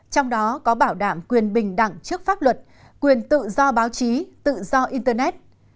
trong đó có bảo đảm quyền bình đẳng trước pháp luật quyền tự do báo chí tự do internet